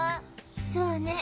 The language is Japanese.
そうね